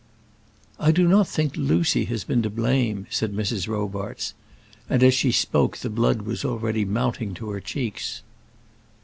"I do not think Lucy has been to blame," said Mrs. Robarts; and as she spoke the blood was already mounting to her cheeks.